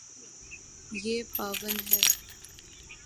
یے پاون ہے